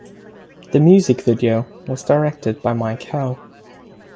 The music video was directed by Mike Ho.